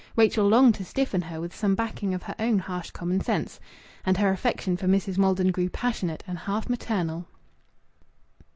Rachel longed to stiffen her with some backing of her own harsh common sense. And her affection for Mrs. Maldon grew passionate and half maternal.